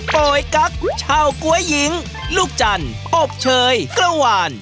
โป๊ยกั๊กชาวกลัวยหญิงลูกจันอบเชยกล้าวาล